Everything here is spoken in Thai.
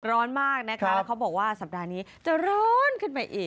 ร้อนมากนะคะแล้วเขาบอกว่าสัปดาห์นี้จะร้อนขึ้นไปอีก